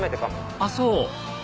あっそう？